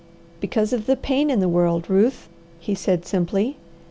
"Because of the PAIN IN THE WORLD, Ruth," he said simply.